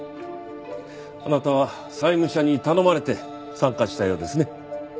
あなたは債務者に頼まれて参加したようですね。